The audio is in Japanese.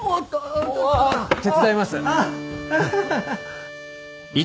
あ手伝います。